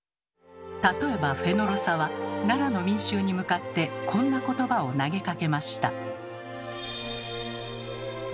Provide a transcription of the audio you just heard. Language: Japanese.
例えばフェノロサは奈良の民衆に向かってこんな言葉を投げかけました。